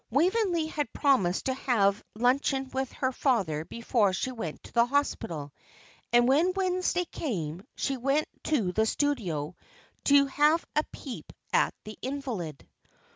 Waveney had promised to have luncheon with her father before she went to the Hospital, and when Wednesday came she went up to the studio to have a peep at the invalid.